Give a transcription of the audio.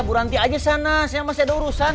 berhenti aja sana saya masih ada urusan